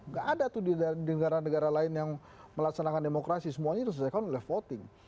gak ada tuh di negara negara lain yang melaksanakan demokrasi semuanya diselesaikan oleh voting